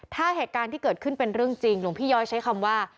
ถ้าเหตุการณ์ที่เกิดขึ้นเป็นเรื่องจริงหลวงพี่ย้อยใช้คำว่า